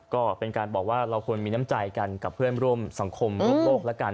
ก็เป็นการบอกว่าเราควรมีน้ำใจกันกับเพื่อนร่วมสังคมโลกแล้วกัน